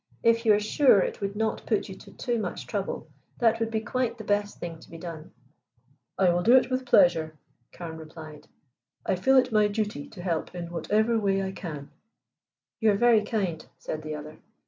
"If you are sure it would not put you to too much trouble, that would be quite the best thing to be done." "I will do it with pleasure," Carne replied. "I feel it my duty to help in whatever way I can." "You are very kind," said the other.